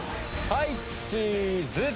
はいチーズ！